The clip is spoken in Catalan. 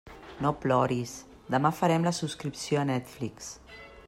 No ploris, demà farem la subscripció a Netflix.